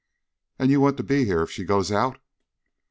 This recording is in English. "And you want to be here if she goes out?"